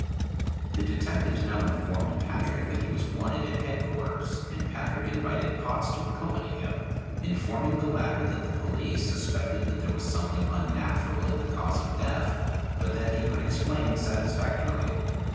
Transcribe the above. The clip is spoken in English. ] The detectives now informed Patrick that he was wanted at Headquarters, and Patrick invited Potts to accompany him, informing the latter that the police suspected that there was something unnatural in the cause of death, but that he could explain satisfactorily.